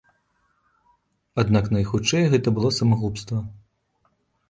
Аднак найхутчэй гэта было самагубства.